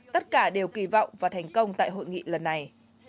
tất cả đều kỳ vọng và thành công tại hội nghị lần này